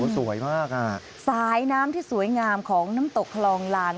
สวยมากอ่ะสายน้ำที่สวยงามของน้ำตกคลองลาน